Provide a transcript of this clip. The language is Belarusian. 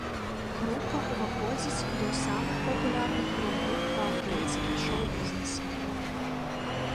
Група ўваходзіць до самых папулярных рок-груп ва ўкраінскім шоу-бізнэсе.